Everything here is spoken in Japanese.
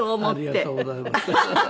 ありがとうございます。